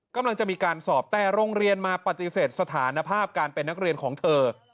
กำลังจะมีการสอบแต่โรงเรียนมาปฏิเสธสถานภาพการเป็นนักเรียนของเธอ